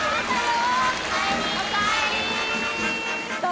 ・おかえりー！